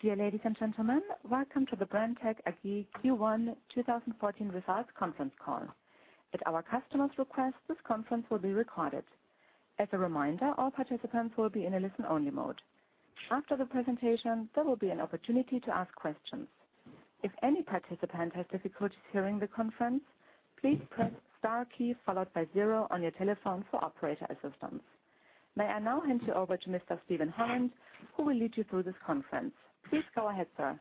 Dear ladies and gentlemen, welcome to the Brenntag AG Q1 2014 results conference call. At our customers' request, this conference will be recorded. As a reminder, all participants will be in a listen-only mode. After the presentation, there will be an opportunity to ask questions. If any participant has difficulties hearing the conference, please press * key followed by zero on your telephone for operator assistance. May I now hand you over to Mr. Steven Holland, who will lead you through this conference. Please go ahead, sir.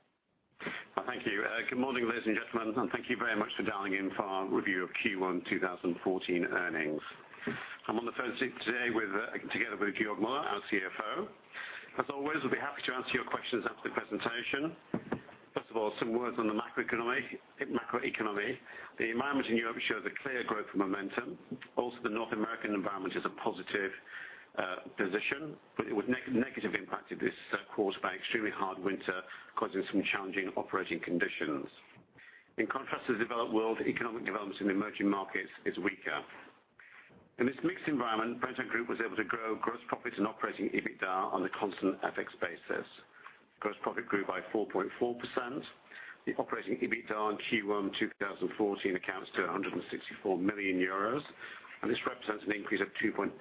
Thank you. Good morning, ladies and gentlemen, and thank you very much for dialing in for our review of Q1 2014 earnings. I'm on the phone today together with Georg Müller, our CFO. As always, we'll be happy to answer your questions after the presentation. First of all, some words on the macroeconomy. The environment in Europe shows a clear growth momentum. The North American environment is a positive position, but with negative impact of this caused by extremely hard winter, causing some challenging operating conditions. In contrast to the developed world, economic developments in emerging markets is weaker. In this mixed environment, Brenntag Group was able to grow gross profits and operating EBITDA on a constant FX basis. Gross profit grew by 4.4%. The operating EBITDA in Q1 2014 accounts to €164 million. This represents an increase of 2.8%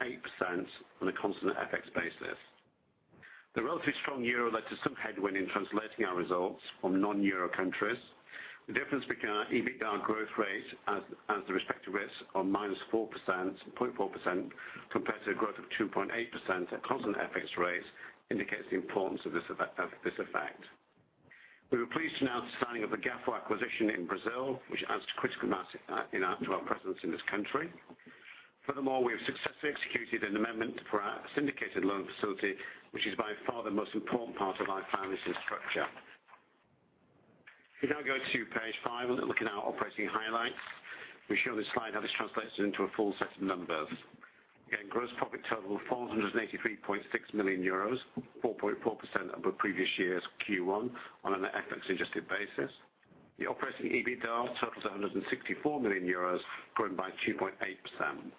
on a constant FX basis. The relatively strong euro led to some headwind in translating our results from non-euro countries. The difference between our EBITDA growth rate as the respective risk of -4.4% compared to a growth of 2.8% at constant FX rates indicates the importance of this effect. We were pleased to announce the signing of the Gafor acquisition in Brazil, which adds critical mass to our presence in this country. We have successfully executed an amendment for our syndicated loan facility, which is by far the most important part of our financing structure. We now go to page five and look at our operating highlights. We show this slide how this translates into a full set of numbers. Gross profit total, €483.6 million, 4.4% above previous year's Q1 on an FX adjusted basis. The operating EBITDA totals €164 million growing by 2.8%.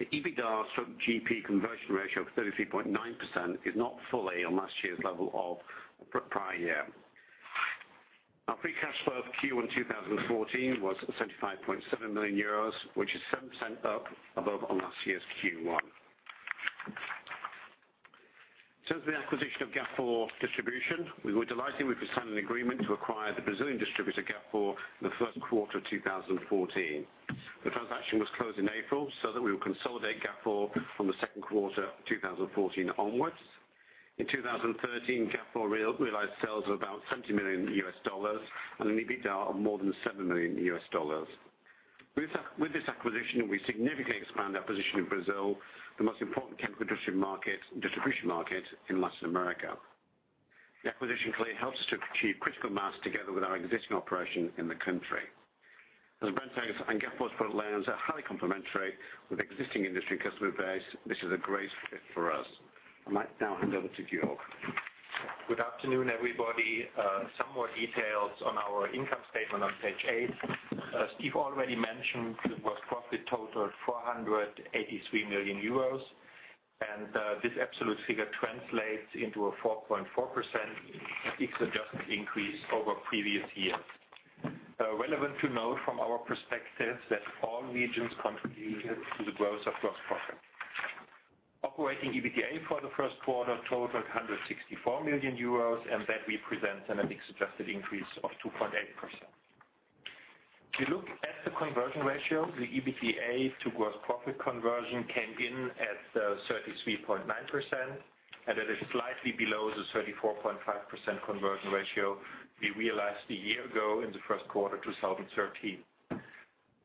The EBITDA from GP conversion ratio of 33.9% is not fully on last year's level of prior year. Our free cash flow for Q1 2014 was €75.7 million, which is 7% up above on last year's Q1. In terms of the acquisition of Gafor Distribuidora, we were delighted we could sign an agreement to acquire the Brazilian distributor Gafor in the first quarter of 2014. The transaction was closed in April so that we will consolidate Gafor from the second quarter 2014 onwards. In 2013, Gafor realized sales of about $70 million and an EBITDA of more than $7 million. With this acquisition, we significantly expand our position in Brazil, the most important chemical distribution market in Latin America. The acquisition clearly helps us to achieve critical mass together with our existing operation in the country. As Brenntag's and Gafor's product lines are highly complementary with existing industry customer base, this is a great fit for us. I might now hand over to Georg. Good afternoon, everybody. Some more details on our income statement on page eight. As Steve already mentioned, the gross profit totaled 483 million euros. This absolute figure translates into a 4.4% FX adjusted increase over previous years. Relevant to note from our perspective that all regions contributed to the growth of gross profit. Operating EBITDA for the first quarter totaled 164 million euros. That represents an FX adjusted increase of 2.8%. If you look at the conversion ratio, the EBITDA to gross profit conversion came in at 33.9%. It is slightly below the 34.5% conversion ratio we realized a year ago in the first quarter 2013.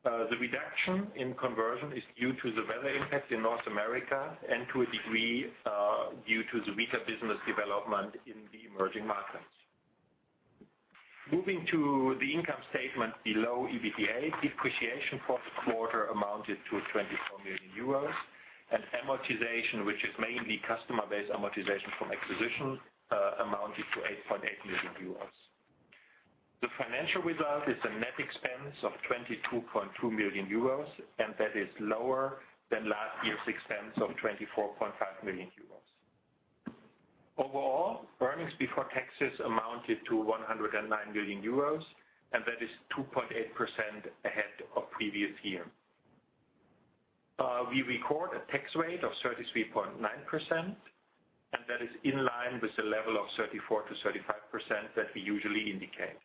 The reduction in conversion is due to the weather impact in North America and to a degree, due to the weaker business development in the emerging markets. Moving to the income statement below EBITDA, depreciation for the quarter amounted to 24 million euros and amortization, which is mainly customer-based amortization from acquisition, amounted to 8.8 million euros. The financial result is a net expense of 22.2 million euros. That is lower than last year's expense of 24.5 million euros. Overall, earnings before taxes amounted to 109 million euros. That is 2.8% ahead of previous year. We record a tax rate of 33.9%. That is in line with the level of 34%-35% that we usually indicate.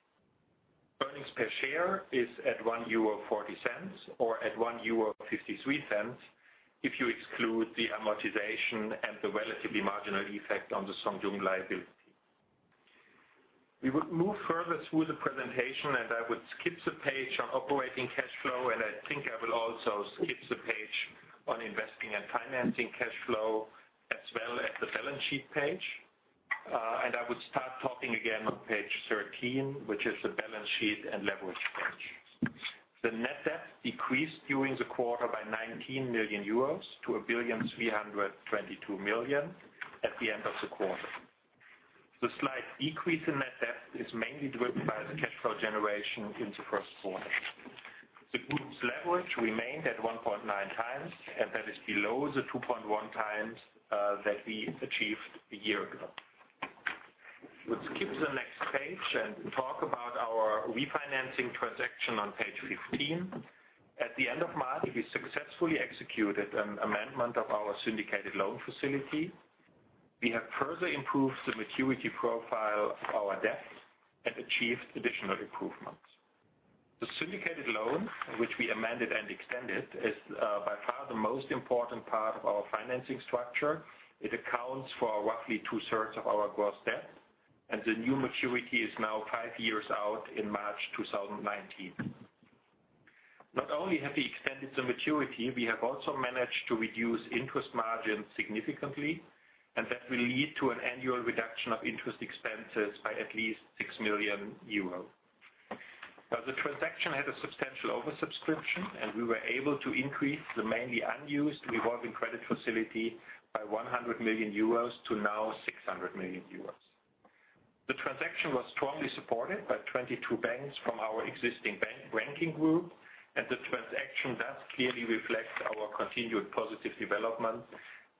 Earnings per share is at 1.40 euro or at 1.53 euro if you exclude the amortization and the relatively marginal effect on the Songjung liability. We would move further through the presentation. I would skip the page on operating cash flow. I think I will also skip the page on investing and financing cash flow as well as the balance sheet page. I would start talking again on page 13, which is the balance sheet and leverage page. The net debt decreased during the quarter by 19 million euros to 1,322 million at the end of the quarter. The slight decrease in net debt is mainly driven by the cash flow generation in the first quarter. The group's leverage remained at 1.9 times. That is below the 2.1 times that we achieved a year ago. Let's skip to the next page and talk about our refinancing transaction on page 15. At the end of March, we successfully executed an amendment of our syndicated loan facility. We have further improved the maturity profile of our debt and achieved additional improvements. The syndicated loan, which we amended and extended, is by far the most important part of our financing structure. It accounts for roughly two-thirds of our gross debt. The new maturity is now five years out in March 2019. Not only have we extended the maturity, we have also managed to reduce interest margins significantly, and that will lead to an annual reduction of interest expenses by at least 6 million euros. The transaction had a substantial oversubscription, and we were able to increase the mainly unused revolving credit facility by 100 million euros to now 600 million euros. The transaction does clearly reflect our continued positive development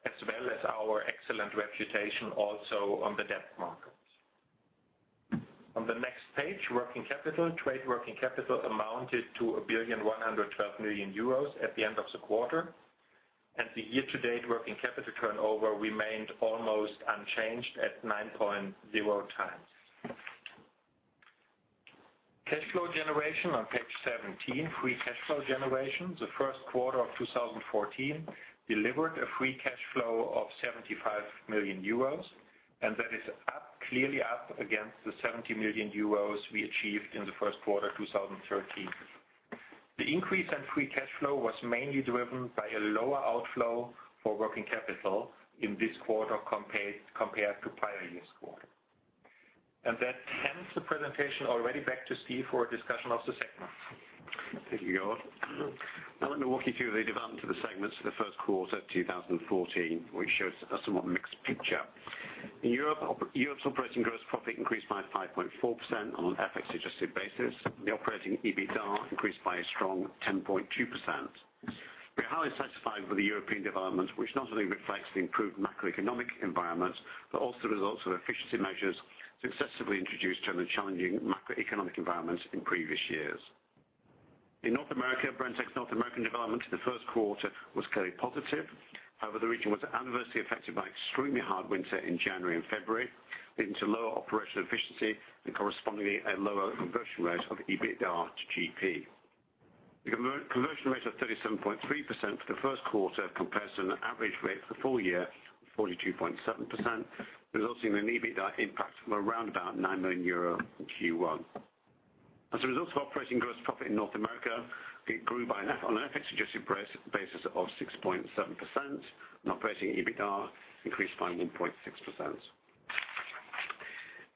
as well as our excellent reputation also on the debt markets. On the next page, working capital. Trade working capital amounted to 1,112million euros at the end of the quarter, and the year-to-date working capital turnover remained almost unchanged at 9.0 times. Cash flow generation on page 17. Free cash flow generation. The first quarter of 2014 delivered a free cash flow of 75 million euros, and that is clearly up against the 70 million euros we achieved in the first quarter of 2013. The increase in free cash flow was mainly driven by a lower outflow for working capital in this quarter compared to prior year's quarter. That ends the presentation already. Back to Steve for a discussion of the segments. Thank you, Georg. I want to walk you through the development of the segments for the first quarter 2014, which shows a somewhat mixed picture. In Europe, operating gross profit increased by 5.4% on an FX-adjusted basis. The operating EBITDA increased by a strong 10.2%. We are highly satisfied with the European development, which not only reflects the improved macroeconomic environment but also the results of efficiency measures successively introduced during the challenging macroeconomic environments in previous years. In North America, Brenntag's North American development in the first quarter was clearly positive. However, the region was adversely affected by extremely hard winter in January and February, leading to lower operational efficiency and correspondingly a lower conversion rate of EBITDA to GP. The conversion rate of 37.3% for the first quarter compares to an average rate for the full year of 42.7%, resulting in an EBITDA impact from around about 9 million euro in Q1. As a result of operating gross profit in North America, it grew by on an FX-adjusted basis of 6.7% and operating EBITDA increased by 1.6%.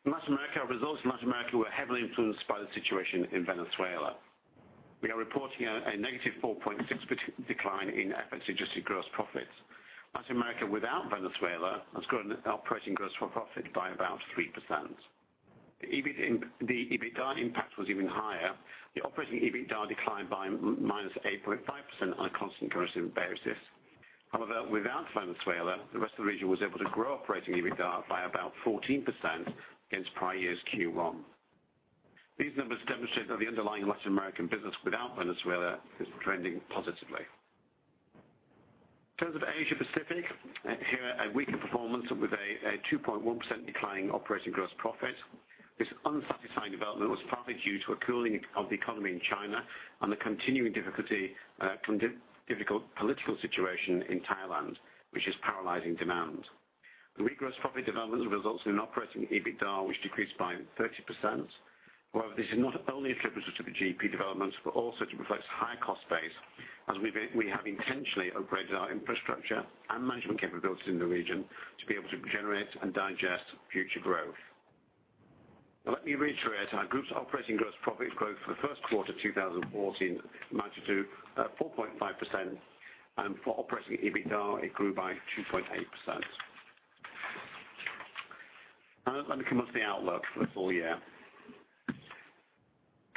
Latin America. Our results in Latin America were heavily influenced by the situation in Venezuela. We are reporting a negative 4.6% decline in FX-adjusted gross profits. Latin America without Venezuela has grown operating gross for profit by about 3%. The EBITDA impact was even higher. The operating EBITDA declined by minus 8.5% on a constant currency basis. However, without Venezuela, the rest of the region was able to grow operating EBITDA by about 14% against prior year's Q1. These numbers demonstrate that the underlying Latin American business without Venezuela is trending positively. In terms of Asia-Pacific, here a weaker performance with a 2.1% decline in operating Gross Profit. This unsatisfying development was partly due to a cooling of the economy in China and the continuing difficulty from difficult political situation in Thailand, which is paralyzing demand. The weak Gross Profit development results in an operating EBITDA, which decreased by 30%. However, this is not only attributable to the GP developments but also it reflects high cost base as we have intentionally upgraded our infrastructure and management capabilities in the region to be able to generate and digest future growth. Let me reiterate our Group's operating Gross Profit growth for the Q1 2014 amounted to 4.5%, and for operating EBITDA, it grew by 2.8%. Let me come on to the outlook for the full year.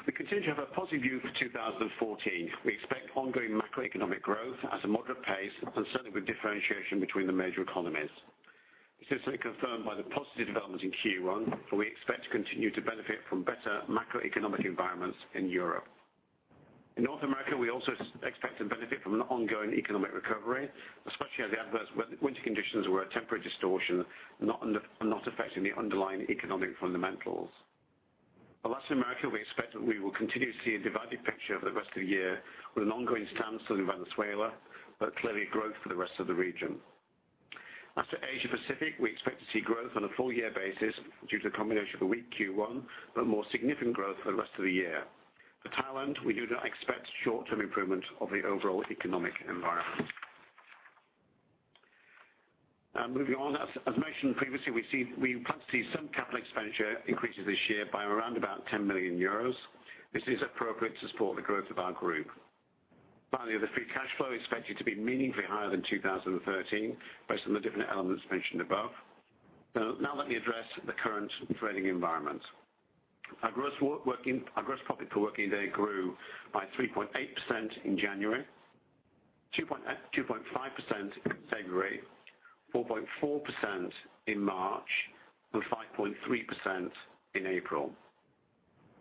We continue to have a positive view for 2014. We expect ongoing macroeconomic growth at a moderate pace and certainly with differentiation between the major economies. This is confirmed by the positive developments in Q1, and we expect to continue to benefit from better macroeconomic environments in Europe. In North America, we also expect to benefit from an ongoing economic recovery, especially as the adverse winter conditions were a temporary distortion, not affecting the underlying economic fundamentals. In Latin America, we expect that we will continue to see a divided picture for the rest of the year with an ongoing standstill in Venezuela, but clearly growth for the rest of the region. As to Asia-Pacific, we expect to see growth on a full-year basis due to a combination of a weak Q1 but more significant growth for the rest of the year. For Thailand, we do not expect short-term improvement of the overall economic environment. Moving on. As mentioned previously, we plan to see some capital expenditure increases this year by around about 10 million euros. This is appropriate to support the growth of our Group. Finally, the free cash flow is expected to be meaningfully higher than 2013 based on the different elements mentioned above. Let me address the current trading environment. Our Gross Profit per working day grew by 3.8% in January, 2.5% in February, 4.4% in March, and 5.3% in April.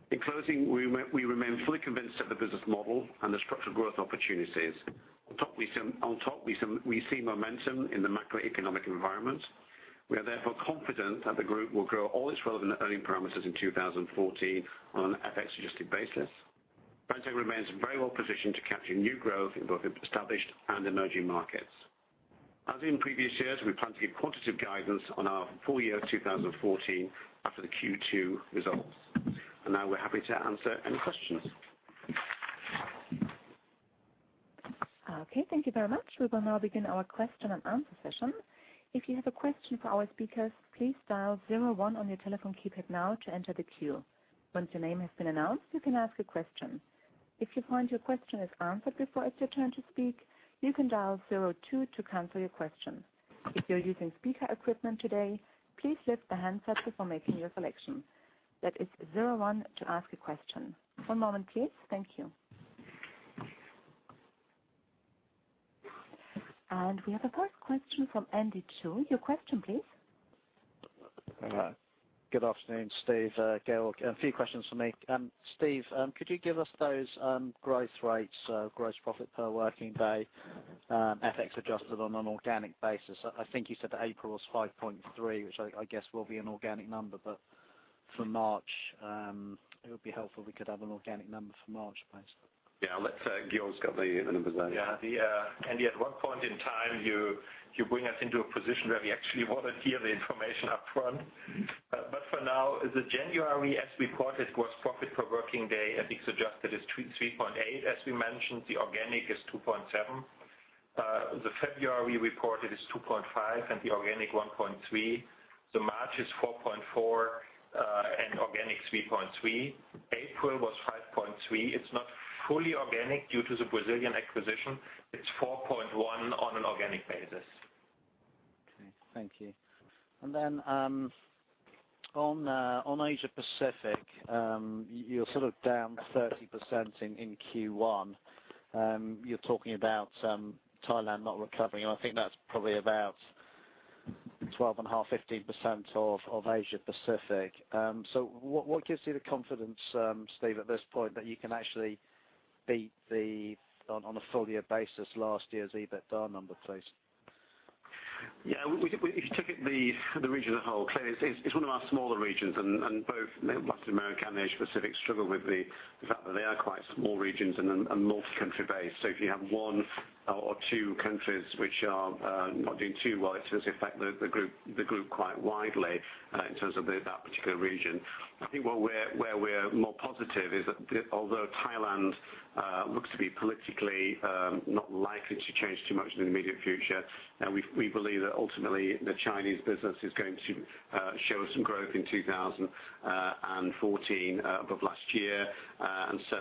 In closing, we remain fully convinced of the business model and the structural growth opportunities. On top, we see momentum in the macroeconomic environment. We are therefore confident that the Group will grow all its relevant earning parameters in 2014 on an FX-adjusted basis. Brenntag remains very well positioned to capture new growth in both established and emerging markets. As in previous years, we plan to give quantitative guidance on our full year 2014 after the Q2 results. We're happy to answer any questions. Okay, thank you very much. We will now begin our question and answer session. If you have a question for our speakers, please dial 01 on your telephone keypad now to enter the queue. Once your name has been announced, you can ask a question. If you find your question is answered before it's your turn to speak, you can dial 02 to cancel your question. If you're using speaker equipment today, please lift the handset before making your selection. That is zero one to ask a question. One moment, please. Thank you. We have a first question from Andy Chu. Your question, please. Good afternoon, Steve, Georg. A few questions from me. Steve, could you give us those growth rates, gross profit per working day, FX adjusted on an organic basis? I think you said that April was 5.3, which I guess will be an organic number, but for March, it would be helpful if we could have an organic number for March, please. Yeah, Georg's got the numbers there. Yeah. Andy, at what point in time you bring us into a position where we actually want to hear the information up front. For now, the January as reported gross profit per working day FX adjusted is 3.8. As we mentioned, the organic is 2.7. The February reported is 2.5 and the organic 1.3. March is 4.4, and organic 3.3. April was 5.3. It's not fully organic due to the Brazilian acquisition. It's 4.1 on an organic basis. Okay. Thank you. On Asia Pacific, you're sort of down 30% in Q1. You're talking about Thailand not recovering, and I think that's probably about 12.5, 15% of Asia Pacific. What gives you the confidence, Steve, at this point, that you can actually beat on a full year basis, last year's EBITDA number, please? Yeah. If you took it the region as a whole, clearly it's one of our smaller regions and both Latin America and Asia Pacific struggle with the fact that they are quite small regions and multi-country based. If you have one or two countries which are not doing too well, it does affect the group quite widely in terms of that particular region. I think where we're more positive is that although Thailand looks to be politically not likely to change too much in the immediate future, we believe that ultimately the Chinese business is going to show some growth in 2014 above last year.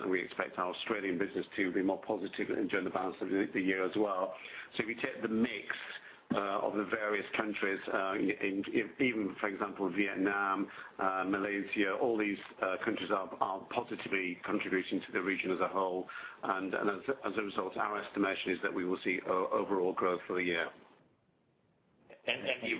We expect our Australian business to be more positive during the balance of the year as well. If you take the mix of the various countries, even for example, Vietnam, Malaysia, all these countries are positively contributing to the region as a whole. Our estimation is that we will see overall growth for the year. Andy,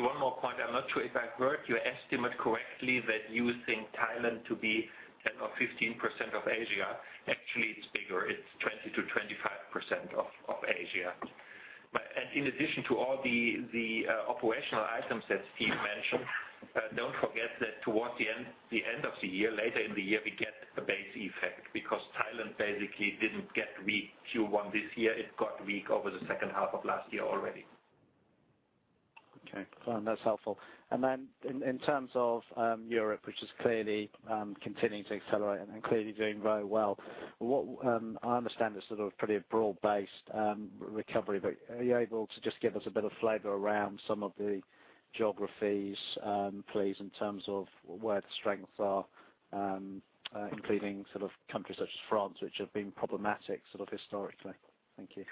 one more point. I'm not sure if I heard your estimate correctly that you think Thailand to be 10 or 15% of Asia. Actually, it's bigger. It's 20%-25% of Asia. In addition to all the operational items that Steve mentioned, don't forget that towards the end of the year, later in the year, we get a base effect because Thailand basically didn't get weak Q1 this year. It got weak over the second half of last year already. That's helpful. In terms of Europe, which is clearly continuing to accelerate and clearly doing very well. I understand it's sort of pretty broad-based recovery, but are you able to just give us a bit of flavor around some of the geographies, please, in terms of where the strengths are, including countries such as France, which have been problematic historically. Thank you.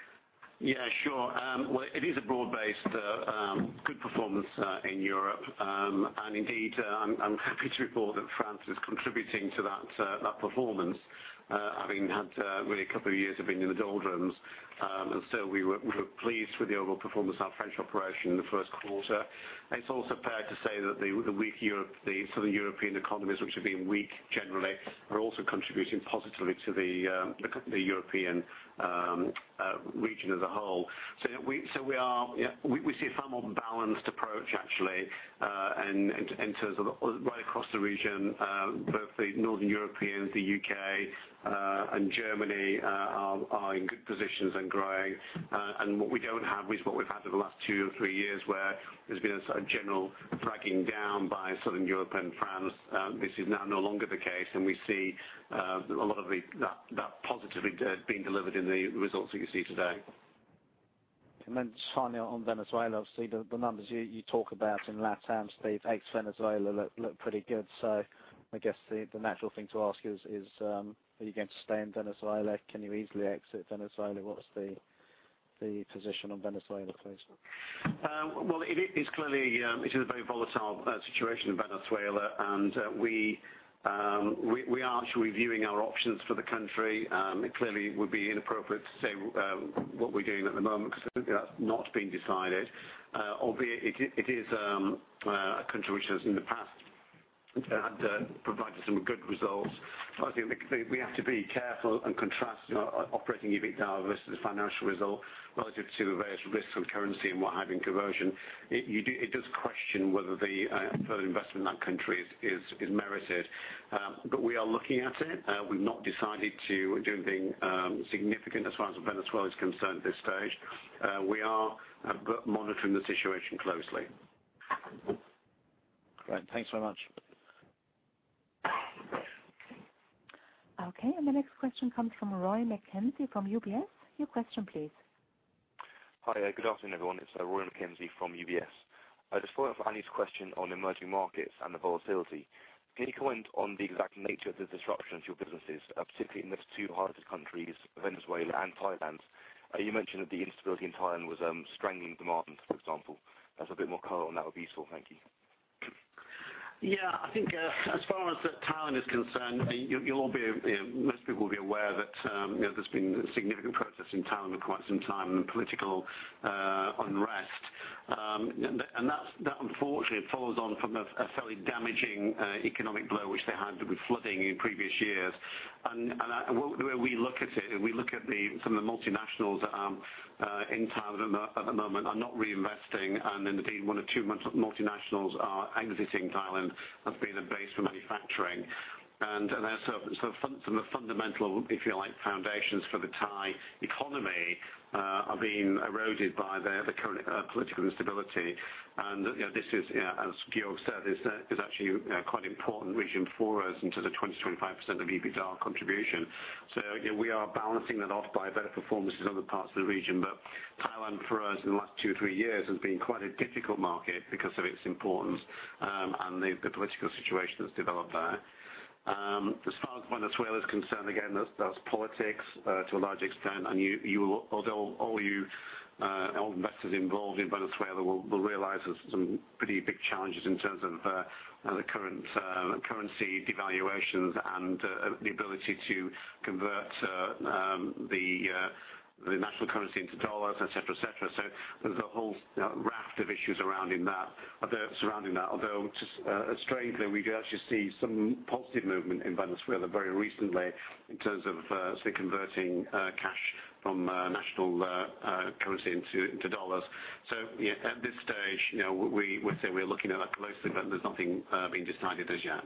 Yeah, sure. Well, it is a broad-based good performance in Europe. Indeed, I'm happy to report that France is contributing to that performance, having had really a couple of years of being in the doldrums. So we were pleased with the overall performance of our French operation in the first quarter. It's also fair to say that the Southern European economies, which have been weak generally, are also contributing positively to the European region as a whole. We see a far more balanced approach, actually, in terms of right across the region. Both the Northern Europeans, the U.K., and Germany are in good positions and growing. What we don't have is what we've had over the last two or three years, where there's been a general dragging down by Southern Europe and France. This is now no longer the case, we see a lot of that positively being delivered in the results that you see today. Just finally on Venezuela, obviously, the numbers you talk about in LatAm, Steve, ex Venezuela look pretty good. I guess the natural thing to ask is are you going to stay in Venezuela? Can you easily exit Venezuela? What's the position on Venezuela, please? Well, it is a very volatile situation in Venezuela, we are actually reviewing our options for the country. It clearly would be inappropriate to say what we're doing at the moment because I think that's not been decided. Albeit it is a country which has, in the past, had provided some good results. I think we have to be careful and contrast operating EBITDA versus the financial result relative to the various risks on currency and what have you, conversion. It does question whether the further investment in that country is merited. We are looking at it. We've not decided to do anything significant as far as Venezuela is concerned at this stage. We are but monitoring the situation closely. Great. Thanks very much. Okay, the next question comes from Rory McKenzie from UBS. Your question please. Hi. Good afternoon, everyone. It's Rory McKenzie from UBS. Just following up on Andy's question on emerging markets and the volatility. Can you comment on the exact nature of the disruption to your businesses, particularly in those two hardest countries, Venezuela and Thailand? You mentioned that the instability in Thailand was strangling demand, for example. If there's a bit more color on that would be useful. Thank you. I think as far as Thailand is concerned, most people will be aware that there's been significant protests in Thailand for quite some time and political unrest. That unfortunately follows on from a fairly damaging economic blow, which they had with flooding in previous years. The way we look at it, we look at some of the multinationals that are in Thailand at the moment are not reinvesting. Indeed, one or two multinationals are exiting Thailand as being a base for manufacturing. Some of the fundamental, if you like, foundations for the Thai economy are being eroded by the current political instability. This is, as Georg said, is actually quite an important region for us in terms of 20%-25% of EBITDA contribution. We are balancing that off by better performances in other parts of the region. Thailand for us in the last two, three years has been quite a difficult market because of its importance and the political situation that's developed there. As far as Venezuela is concerned, again, that's politics to a large extent. Although all you investors involved in Venezuela will realize there's some pretty big challenges in terms of the current currency devaluations and the ability to convert the national currency into dollars, et cetera. There's a whole raft of issues around in that. Although strangely, we did actually see some positive movement in Venezuela very recently in terms of say converting cash from national currency into dollars. At this stage, we would say we're looking at that closely, but there's nothing been decided as yet.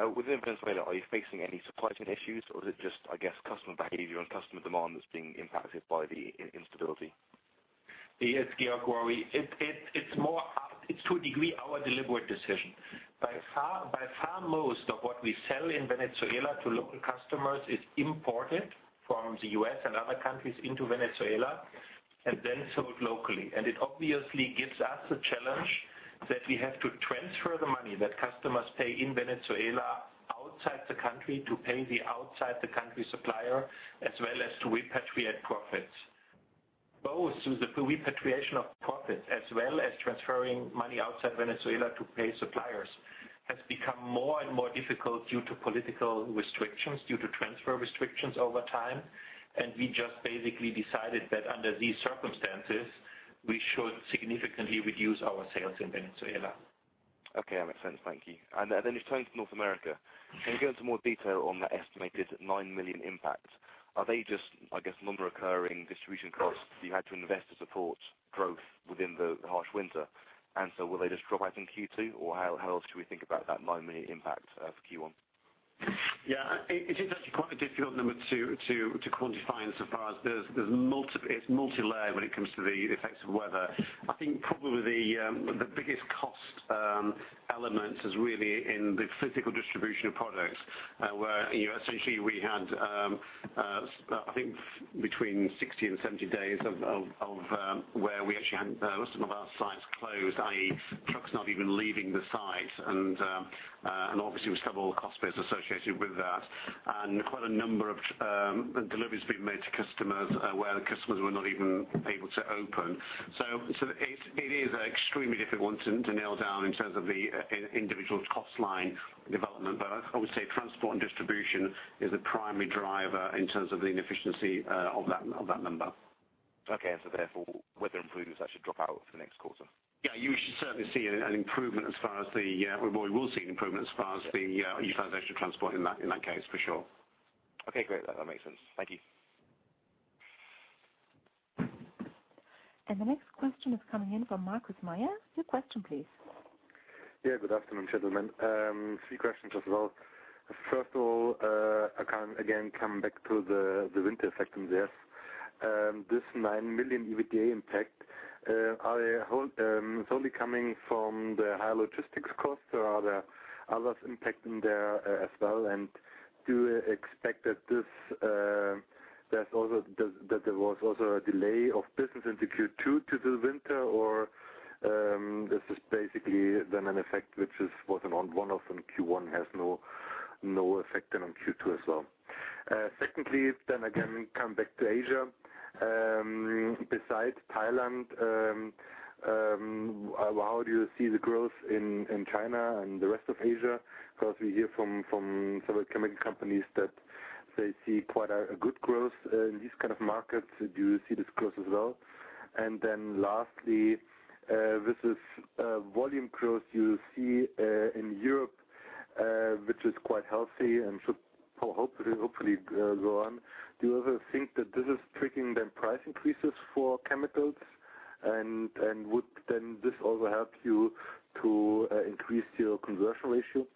Within Venezuela, are you facing any supply chain issues or is it just, I guess customer behavior and customer demand that's being impacted by the instability? Yes, Georg, Rory. It's to a degree our deliberate decision. By far most of what we sell in Venezuela to local customers is imported from the U.S. and other countries into Venezuela and then sold locally. It obviously gives us a challenge that we have to transfer the money that customers pay in Venezuela outside the country to pay the outside the country supplier as well as to repatriate profits. Both the repatriation of profits as well as transferring money outside Venezuela to pay suppliers has become more and more difficult due to political restrictions, due to transfer restrictions over time. We just basically decided that under these circumstances we should significantly reduce our sales in Venezuela. Okay. That makes sense. Thank you. Just turning to North America. Can you go into more detail on that estimated 9 million impact? Are they just, I guess, non-recurring distribution costs that you had to invest to support growth within the harsh winter? Will they just drop out in Q2 or how else should we think about that 9 million impact for Q1? Yeah. It is actually quite a difficult number to quantify in so far as it's multilayered when it comes to the effects of weather. I think probably the biggest cost element is really in the physical distribution of products where essentially we had I think between 60 and 70 days of where we actually had most of our sites closed, i.e. trucks not even leaving the site. Obviously with several cost base associated with that and quite a number of deliveries being made to customers where the customers were not even able to open. It is extremely difficult one to nail down in terms of the individual cost line development. I would say transport and distribution is the primary driver in terms of the inefficiency of that number. Okay. Therefore weather improvements should drop out for the next quarter? Yeah, you should certainly see an improvement. Well, we will see an improvement as far as the utilization of transport in that case for sure. Okay, great. That makes sense. Thank you. The next question is coming in from Markus Mayer. Your question please. Good afternoon, gentlemen. Three questions as well. First of all I can again come back to the winter effect in this. This nine million EUR EBITDA impact Are they only coming from the higher logistics costs or are there others impacting there as well? Do you expect that there was also a delay of business into Q2 to the winter, or this is basically then an effect which was on one-off in Q1, has no effect then on Q2 as well. Secondly then again, come back to Asia. Besides Thailand, how do you see the growth in China and the rest of Asia? Because we hear from several chemical companies that they see quite a good growth in these kind of markets. Do you see this growth as well? Lastly, with this volume growth you see in Europe, which is quite healthy and should hopefully go on. Do you ever think that this is triggering then price increases for chemicals and would then this also help you to increase your conversion ratio?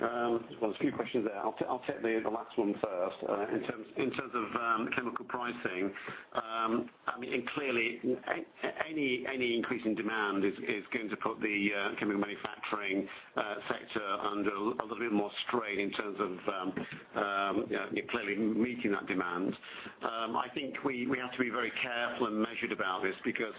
There's a few questions there. I'll take the last one first. In terms of chemical pricing, clearly, any increase in demand is going to put the chemical manufacturing sector under a little bit more strain in terms of clearly meeting that demand. I think we have to be very careful and measured about this because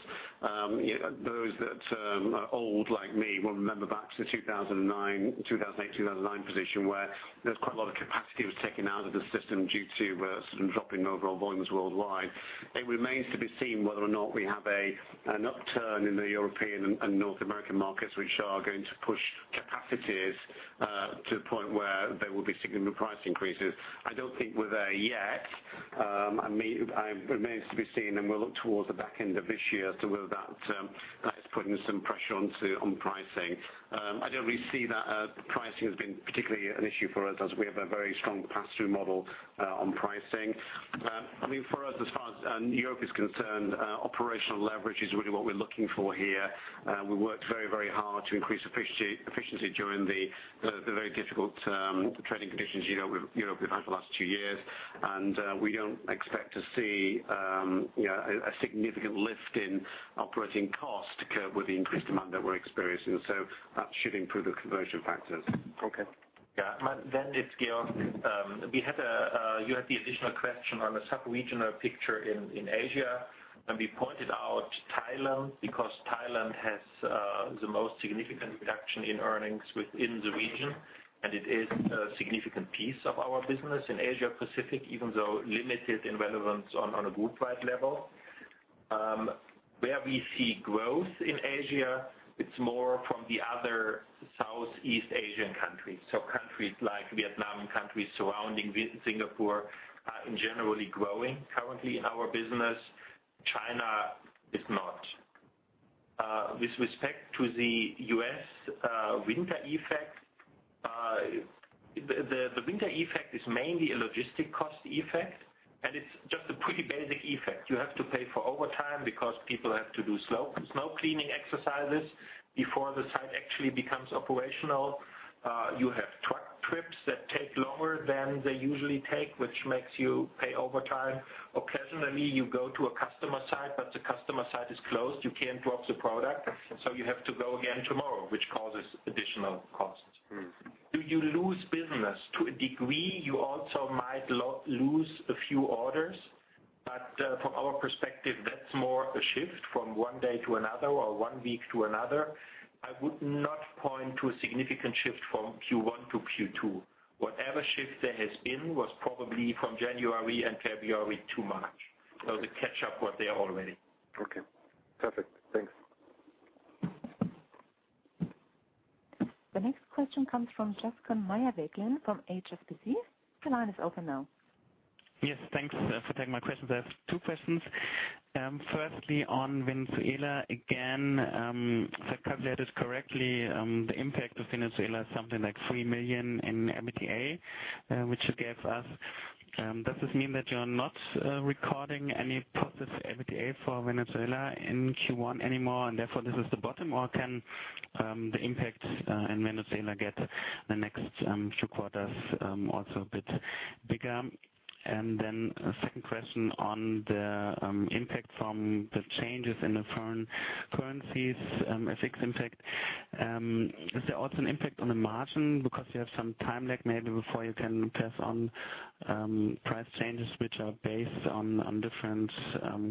those that are old like me will remember back to 2008, 2009 position, where there was quite a lot of capacity was taken out of the system due to dropping overall volumes worldwide. It remains to be seen whether or not we have an upturn in the European and North American markets, which are going to push capacities to the point where there will be significant price increases. I don't think we're there yet. It remains to be seen, we'll look towards the back end of this year as to whether that is putting some pressure on pricing. I don't really see that pricing has been particularly an issue for us as we have a very strong pass-through model on pricing. For us, as far as Europe is concerned, operational leverage is really what we're looking for here. We worked very hard to increase efficiency during the very difficult trading conditions Europe we've had the last two years. We don't expect to see a significant lift in operating cost with the increased demand that we're experiencing. That should improve the conversion factors. Okay. Georg. You had the additional question on the sub-regional picture in Asia, we pointed out Thailand because Thailand has the most significant reduction in earnings within the region, it is a significant piece of our business in Asia Pacific, even though limited in relevance on a group-wide level. Where we see growth in Asia, it's more from the other Southeast Asian countries. Countries like Vietnam and countries surrounding Singapore are generally growing currently in our business. China is not. With respect to the U.S. winter effect, the winter effect is mainly a logistic cost effect, it's just a pretty basic effect. You have to pay for overtime because people have to do snow cleaning exercises before the site actually becomes operational. You have truck trips that take longer than they usually take, which makes you pay overtime. Occasionally, you go to a customer site, the customer site is closed. You can't drop the product, you have to go again tomorrow, which causes additional costs. Do you lose business? To a degree, you also might lose a few orders, from our perspective, that's more a shift from one day to another or one week to another. I would not point to a significant shift from Q1 to Q2. Whatever shift there has been was probably from January and February to March. The catch-up was there already. Okay, perfect. Thanks. The next question comes from Stephanie Bothwell from HSBC. The line is open now. Yes, thanks for taking my questions. I have two questions. Firstly, on Venezuela again, if I translated correctly, the impact of Venezuela is something like three million in EBITDA, which you gave us. Does this mean that you are not recording any positive EBITDA for Venezuela in Q1 anymore and therefore this is the bottom, or can the impact in Venezuela get the next few quarters also a bit bigger? And then a second question on the impact from the changes in the foreign currencies, FX impact. Is there also an impact on the margin because you have some time lag maybe before you can pass on price changes which are based on different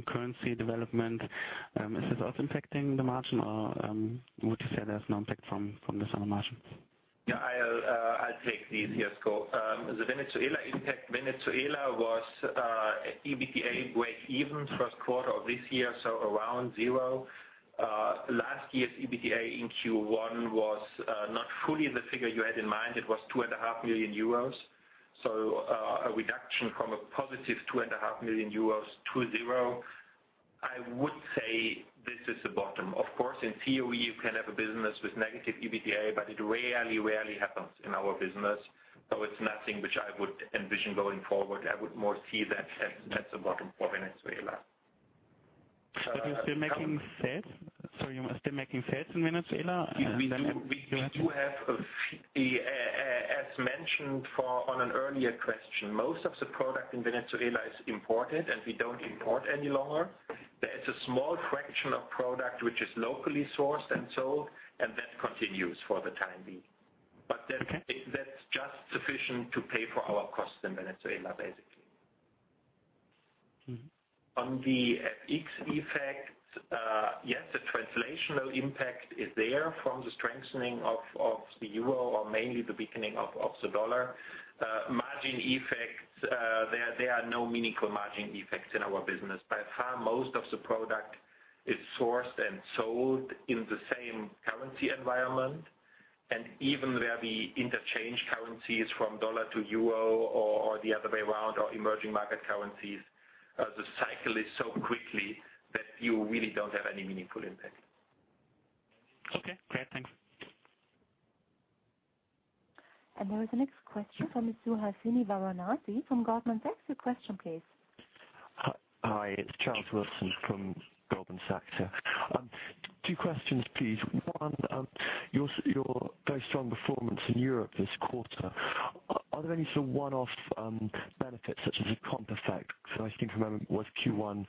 currency development? Is this also impacting the margin or would you say there's no impact from this on the margin? Yeah, I'll take the easier scope. The Venezuela impact, Venezuela was EBITDA breakeven first quarter of this year, so around zero. Last year's EBITDA in Q1 was not fully the figure you had in mind. It was €2.5 million. A reduction from a positive €2.5 million to zero. I would say this is the bottom. Of course, in theory, you can have a business with negative EBITDA, but it rarely happens in our business. It's nothing which I would envision going forward. I would more see that as that's the bottom for Venezuela. You're still making sales in Venezuela? As mentioned on an earlier question, most of the product in Venezuela is imported, and we don't import any longer. There is a small fraction of product which is locally sourced and sold, and that continues for the time being. Okay. That's just sufficient to pay for our costs in Venezuela, basically. On the FX effect, yes, the translational impact is there from the strengthening of the euro or mainly the weakening of the dollar. Margin effects, there are no meaningful margin effects in our business. By far, most of the product is sourced and sold in the same currency environment. Even where we interchange currencies from dollar to euro or the other way around, or emerging market currencies, the cycle is so quickly that you really don't have any meaningful impact. Okay, great. Thanks. There is a next question from Suhasini Varanasi from Goldman Sachs. Your question, please. Hi, it's Charles Wilson from Goldman Sachs here. Two questions, please. One, your very strong performance in Europe this quarter. Are there any sort of one-off benefits, such as a comp effect? Because I think I remember was Q1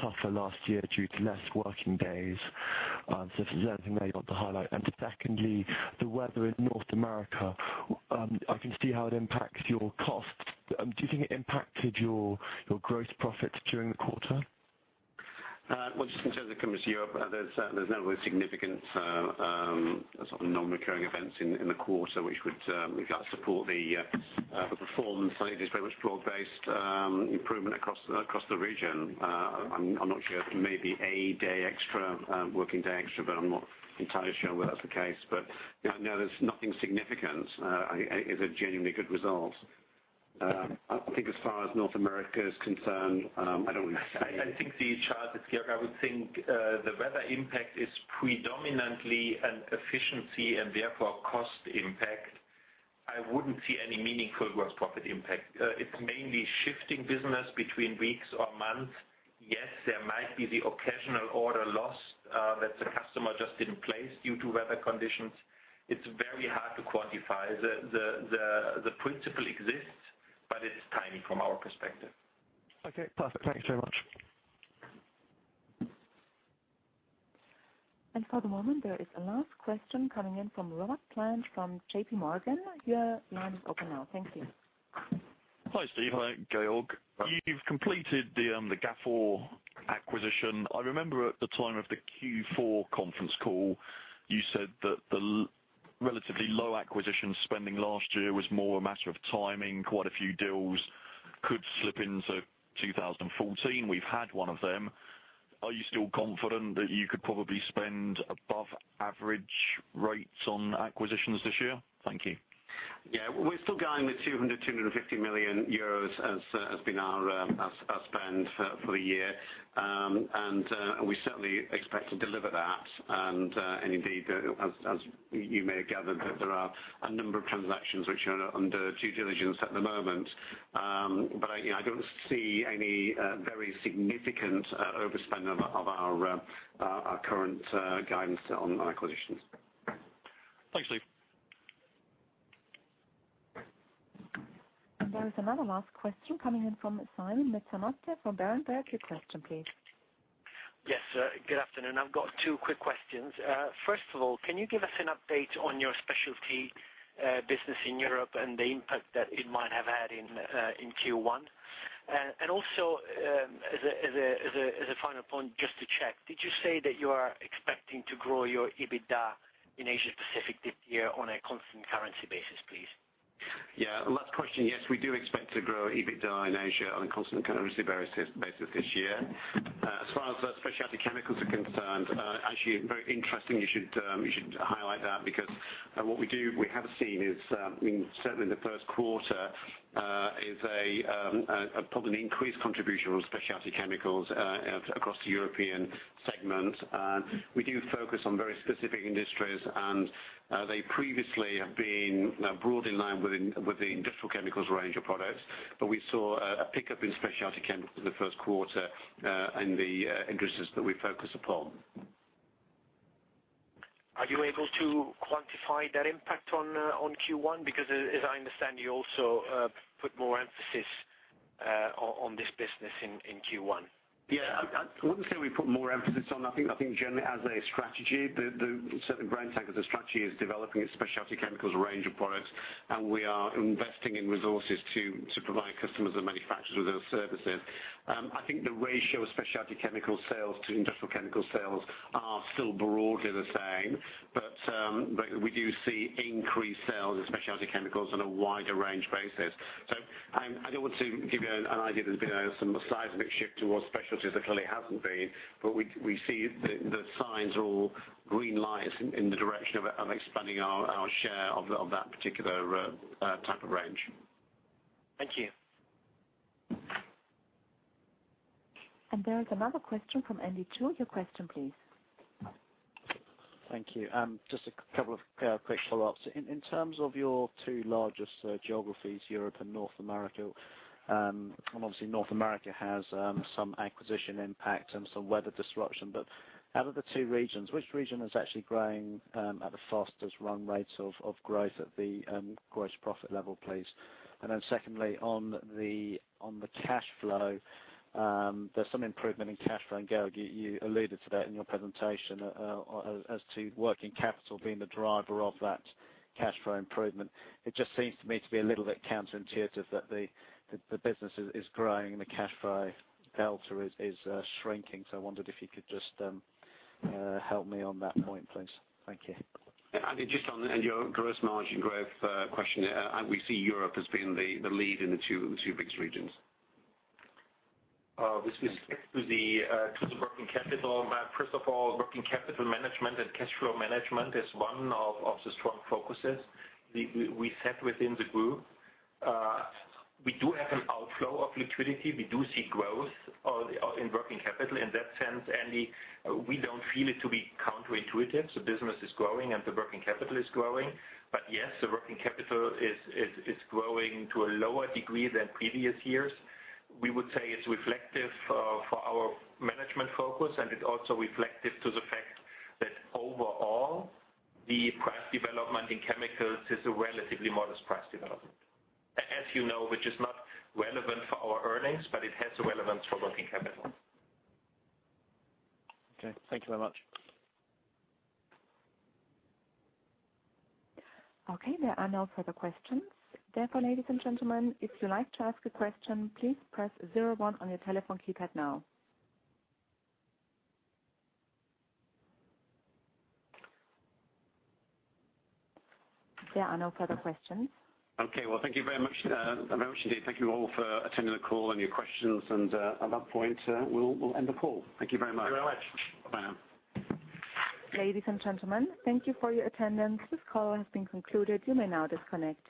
tougher last year due to less working days. If there's anything there you want to highlight. Secondly, the weather in North America. I can see how it impacts your costs. Do you think it impacted your gross profits during the quarter? Well, just in terms of coming to Europe, there's no significant sort of non-recurring events in the quarter which would support the performance. I think it's very much broad-based improvement across the region. I'm not sure, maybe a day extra, working day extra, I'm not entirely sure whether that's the case. No, there's nothing significant. It's a genuinely good result. I think as far as North America is concerned, I don't really see. I think the chart is clear. I would think the weather impact is predominantly an efficiency and therefore cost impact. I wouldn't see any meaningful gross profit impact. It's mainly shifting business between weeks or months. Yes, there might be the occasional order lost that the customer just didn't place due to weather conditions. It's very hard to quantify. The principle exists, but it is tiny from our perspective. Okay, perfect. Thank you very much. For the moment, there is a last question coming in from Robert Plant from J.P. Morgan. Your line is open now. Thank you. Hi, Steve. Hi, Georg Müller. You've completed the Gafor acquisition. I remember at the time of the Q4 conference call, you said that the relatively low acquisition spending last year was more a matter of timing. Quite a few deals could slip into 2014. We've had one of them. Are you still confident that you could probably spend above average rates on acquisitions this year? Thank you. Yeah, we're still guiding the 200 million-250 million euros as has been our spend for the year. We certainly expect to deliver that. Indeed, as you may have gathered, there are a number of transactions which are under due diligence at the moment. I don't see any very significant overspend of our current guidance on acquisitions. Thanks, Steve. There is another last question coming in from Simon Metanote from Bernstein. Your question, please. Yes. Good afternoon. I've got two quick questions. First of all, can you give us an update on your specialty business in Europe and the impact that it might have had in Q1? Also, as a final point, just to check, did you say that you are expecting to grow your EBITDA in Asia Pacific this year on a constant currency basis, please? Yeah. Last question. Yes, we do expect to grow EBITDA in Asia on a constant currency basis this year. As far as specialty chemicals are concerned, actually, very interesting you should highlight that because what we have seen is, certainly in the first quarter, is probably an increased contribution on specialty chemicals across the European segment. We do focus on very specific industries, and they previously have been broadly in line with the industrial chemicals range of products. We saw a pickup in specialty chemicals in the first quarter in the industries that we focus upon. Are you able to quantify that impact on Q1? As I understand, you also put more emphasis on this business in Q1. Yeah. I wouldn't say we put more emphasis on nothing, generally as a strategy. Certainly Brenntag as a strategy is developing its specialty chemicals range of products, and we are investing in resources to provide customers and manufacturers with those services. I think the ratio of specialty chemical sales to industrial chemical sales are still broadly the same. We do see increased sales in specialty chemicals on a wider range basis. I don't want to give you an idea there's been some seismic shift towards specialties. There clearly hasn't been. We see the signs or green lights in the direction of expanding our share of that particular type of range. Thank you. There is another question from Andy Chu. Your question, please. Thank you. Just a couple of quick follow-ups. In terms of your two largest geographies, Europe and North America, obviously North America has some acquisition impact and some weather disruption. Out of the two regions, which region is actually growing at the fastest run rate of growth at the gross profit level, please? Secondly, on the cash flow, there's some improvement in cash flow, Georg, you alluded to that in your presentation as to working capital being the driver of that cash flow improvement. It just seems to me to be a little bit counterintuitive that the business is growing and the cash flow delta is shrinking. I wondered if you could just help me on that point, please. Thank you. Andy, just on your gross margin growth question, we see Europe as being the lead in the two biggest regions. To the working capital. First of all, working capital management and cash flow management is one of the strong focuses we set within the group. We do have an outflow of liquidity. We do see growth in working capital in that sense, Andy, we don't feel it to be counterintuitive. The business is growing and the working capital is growing. Yes, the working capital is growing to a lower degree than previous years. We would say it's reflective for our management focus, it also reflective to the fact that overall, the price development in chemicals is a relatively modest price development. As you know, which is not relevant for our earnings, but it has a relevance for working capital. Okay. Thank you very much. Okay, there are no further questions. Therefore, ladies and gentlemen, if you'd like to ask a question, please press 01 on your telephone keypad now. There are no further questions. Okay. Well, thank you very much indeed. Thank you all for attending the call and your questions. At that point, we'll end the call. Thank you very much. Thank you very much. Bye now. Ladies and gentlemen, thank you for your attendance. This call has been concluded. You may now disconnect.